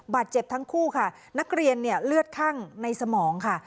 บาดเจ็บทั้งคู่ค่ะนักเรียนเนี่ยเลือดคั่งในสมองค่ะ